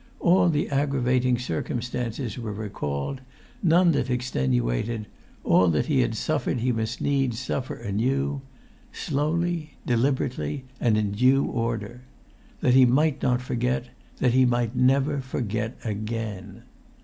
All the aggravating circumstances were recalled, none that extenuated; all that he had suffered he must needs suffer anew, slowly, deliberately, and in due order; that he might not forget, that[Pg 136] he might never forget again!